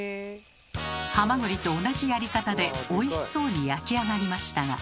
ハマグリと同じやり方でおいしそうに焼き上がりましたが。